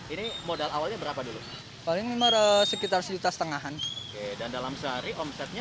ini modal awalnya berapa dulu paling memarah sekitar sejuta setengah and dalam sehari omsetnya